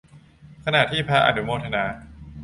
ขณะที่พระอนุโมทนา